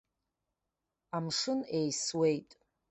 Амшын еисуеит.